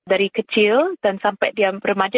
dari kecil dan sampai dia remaja